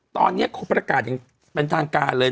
เป็นการกระตุ้นการไหลเวียนของเลือด